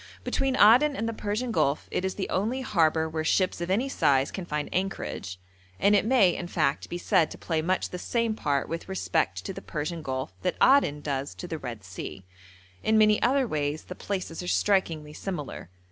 Between Aden and the Persian Gulf it is the only harbour where ships of any size can find anchorage, and it may, in fact, be said to play much the same part with respect to the Persian Gulf that Aden does to the Red Sea. In many other ways the places are strikingly similar.